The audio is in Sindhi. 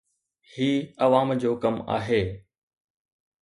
هي عوام جو ڪم آهي